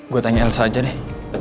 gue tanya elsa aja deh